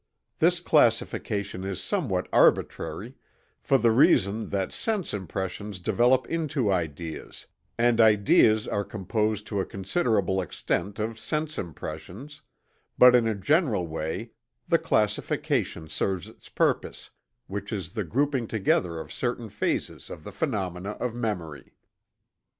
This classification is somewhat arbitrary, for the reason that sense impressions develop into ideas, and ideas are composed to a considerable extent of sense impressions, but in a general way the classification serves its purpose, which is the grouping together of certain phases of the phenomena of memory.